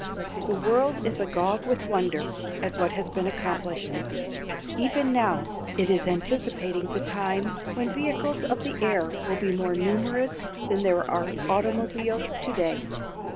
The world is agog with wonder at what has been accomplished; even now it is anticipating the time when vehicles of the air will be more numerous than are automobiles to day.